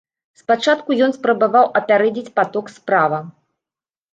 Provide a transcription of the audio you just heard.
Спачатку ён спрабаваў апярэдзіць паток справа.